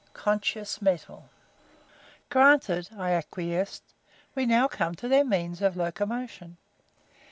CONSCIOUS METAL! "Granted," I acquiesced. "We now come to their means of locomotion.